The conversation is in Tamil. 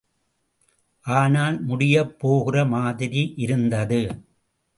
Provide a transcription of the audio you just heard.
ஆனால், முடியப்போகிற மாதிரி இருந்தது.